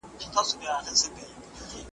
بلل کیږي چي مرغان زه یې پاچا یم ,